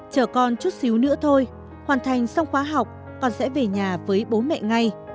chở con chút xíu nữa thôi hoàn thành xong khóa học con sẽ về nhà với bố mẹ ngay